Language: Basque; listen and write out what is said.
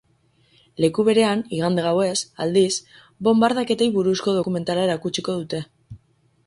Leku berean, igande gauez, aldiz, bonbardaketei buruzko dokumentala erakutsiko dute.